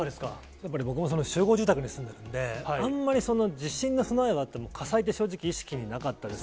やっぱり僕も集合住宅に住んでるんで、あんまり地震の備えはあっても、火災って正直、意識になかったです。